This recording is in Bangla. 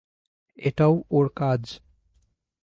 এটাও ওর কাজ।